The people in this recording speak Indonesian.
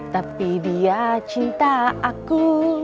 tapi dia cinta aku